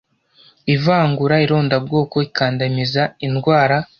ivangura irondabwoko ikandamiza indwara